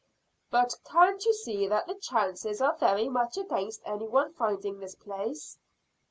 "But can't you see that the chances are very much against any one finding this place?"